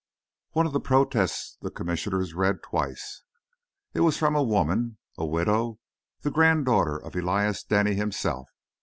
One of the protests the Commissioner read twice. It was from a woman, a widow, the granddaughter of Elias Denny himself.